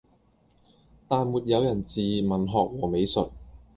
，但沒有人治文學和美術；